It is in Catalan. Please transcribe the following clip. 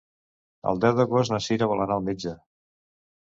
El deu d'agost na Cira vol anar al metge.